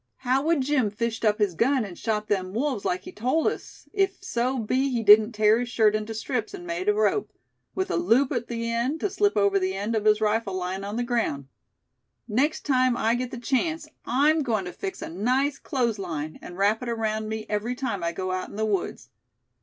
How would Jim fished up his gun, and shot them wolves, like he told us, if so be he didn't tear his shirt into strips, an' made a rope, with a loop at the end, to slip over the end of his rifle lyin' on the ground. Next time I get the chance I'm goin' to fix a nice clothes line, and wrap it around me every time I go out in the woods.